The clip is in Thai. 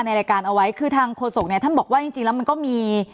ในรายการเอาไว้คือทางโฆษกเนี่ยท่านบอกว่าจริงจริงแล้วมันก็มี